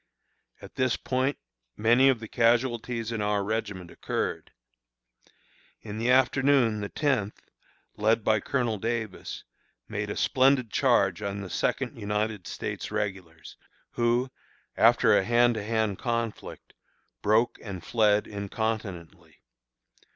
At this point many of the casualties in our regiment occurred. In the afternoon the Tenth, led by Colonel Davis, made a splendid charge on the Second United States Regulars, who, after a hand to hand conflict, broke and fled incontinently.